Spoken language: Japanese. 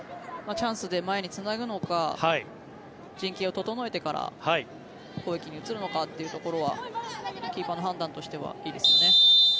チャンスで前につなぐのか陣形を整えてから攻撃に移るのかというところはキーパーの判断としてはいいですよね。